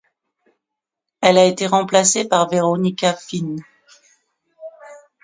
Elle a été remplacée par Veronica Finn.